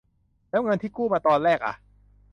แล้วเงินที่กู้มาตอนแรกอะ ?